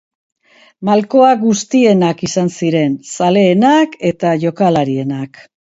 Malkoak guztienak izan ziren, zaleenak eta jokalarienak.